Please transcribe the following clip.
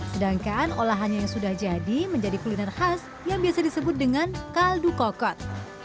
sedangkan olahannya yang sudah jadi menjadi kuliner khas yang biasa disebut dengan kaldu kokot